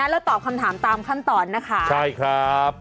แล้วตอบคำถามตามขั้นตอนนะคะใช่ครับ